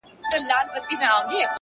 اوس چي زه ليري بل وطن كي يمه-